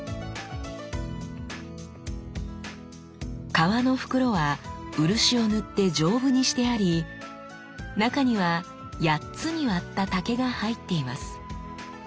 皮の袋は漆を塗って丈夫にしてあり中には八つに割った竹が入っています。